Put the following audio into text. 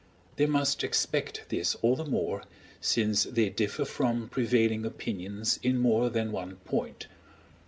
They must expect this all the more since they differ from prevailing opinions in more than one point.